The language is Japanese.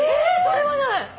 それはない！